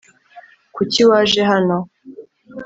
kuki waje hano